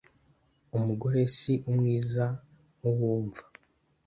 Umugore si umwiza nk’uwumva.